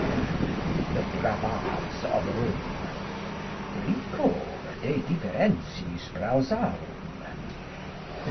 The Bravades of Rome. Bricot de Differentiis Browsarum.